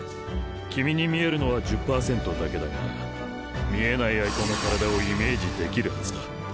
君に見えるのは１０％だけだが見えない相手の体をイメージできるはずだ。